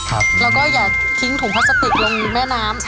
แล้วก็อย่าทิ้งถุงพลาสติกลงแม่น้ำ